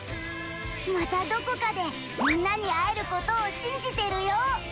またどこかでみんなに会えることを信じてるよ！